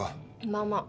まあまあ。